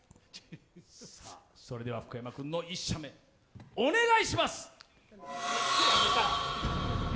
それでは福山君の１射目お願いします。